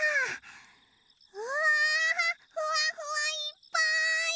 うわふわふわいっぱい！